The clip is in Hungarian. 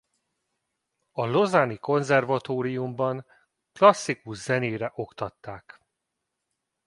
A lausanne-i konzervatóriumban klasszikus zenére oktatták.